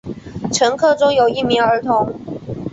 乘客中有一名儿童。